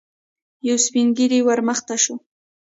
يو سپين ږيری ور مخته شو.